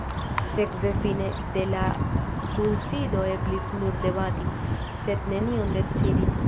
Sekve fine de la kunsido eblis nur debati, sed nenion decidi.